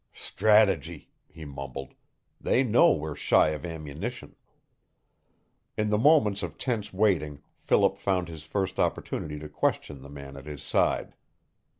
"Strategy," he mumbled. "They know we're shy of ammunition." In the moments of tense waiting Philip found his first opportunity to question the man at his side.